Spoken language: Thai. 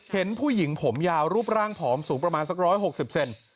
เห็นผู้หญิงผมยาวรูปร่างผอมสูงประมาณสัก๑๖๐เซน